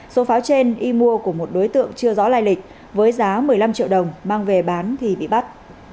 số pháo trên y mua của một đối tượng chưa rõ lai lịch với giá một mươi năm triệu đồng mang về bán thì bị bắt